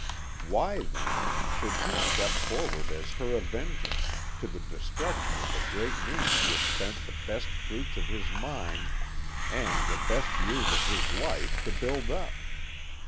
Why, then, should he step forward as her avenger, to the destruction of the great name he had spent the best fruits of his mind and the best years of his life to build up?